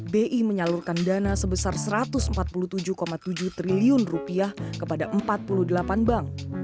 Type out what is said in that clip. bi menyalurkan dana sebesar rp satu ratus empat puluh tujuh tujuh triliun kepada empat puluh delapan bank